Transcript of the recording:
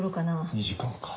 ２時間か。